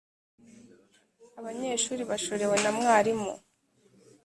abanyeshuri bashorewe namwarimu